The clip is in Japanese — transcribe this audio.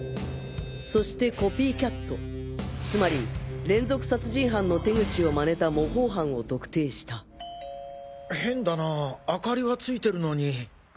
そしてコピーキャットつまり連続殺人犯の手口をマネた模倣犯を特定した変だな明かりはついてるのに。